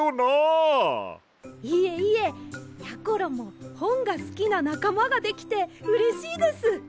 いえいえやころもほんがすきななかまができてうれしいです！